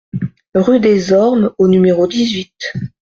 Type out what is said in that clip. Rue des Ormes au numéro dix-huit